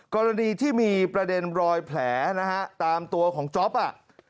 กรณีที่มีประเด็นรอยแผลนะฮะตามตัวของจ๊อปอ่ะ